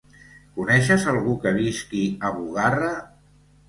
Coneixes algú que visqui a Bugarra?